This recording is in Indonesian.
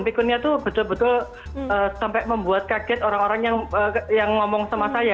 pikunnya itu betul betul sampai membuat kaget orang orang yang ngomong sama saya